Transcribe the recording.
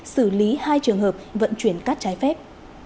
xử lý hai trường hợp vận chuyển cắt cháy phép